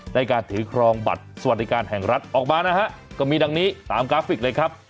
การถือครองบัตรสวัสดิการแห่งรัฐออกมานะฮะก็มีดังนี้ตามกราฟิกเลยครับ